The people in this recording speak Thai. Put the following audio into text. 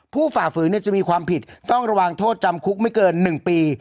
ฝ่าฝืนจะมีความผิดต้องระวังโทษจำคุกไม่เกิน๑ปี